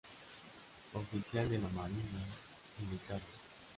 Oficial de la Marina Militare.